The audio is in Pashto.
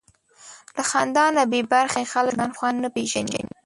له خندا نه بېبرخې خلک د ژوند خوند نه پېژني.